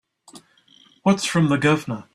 What's from the Governor?